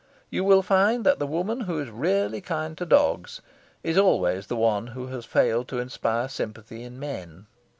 You will find that the woman who is really kind to dogs is always one who has failed to inspire sympathy in men.